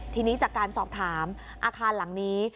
ทีนี้จากการสอบถามอาคารหลังนี้